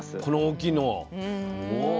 この大きいのを。